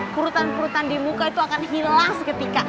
kerutan kerutan di muka itu akan hilang seketika